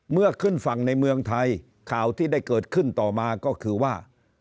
ขึ้นฝั่งในเมืองไทยข่าวที่ได้เกิดขึ้นต่อมาก็คือว่า